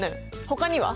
ほかには？